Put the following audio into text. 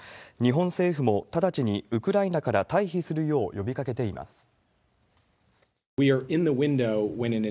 日本政府も直ちにウクライナから退避するよう呼びかけています。